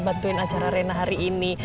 bantuin acara rena hari ini